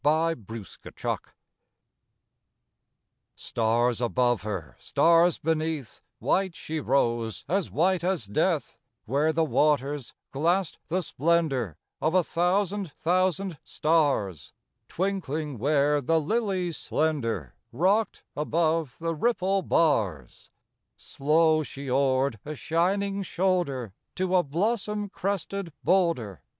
THE WATER FAIRY Stars above her, stars beneath, White she rose, as white as death, Where the waters glassed the splendor Of a thousand thousand stars, Twinkling where the lilies slender Rocked above the ripple bars. Slow she oared a shining shoulder To a blossom crested boulder.